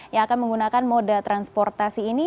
yang akan menggunakan moda transportasi ini